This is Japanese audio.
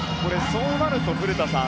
そうなると、古田さん。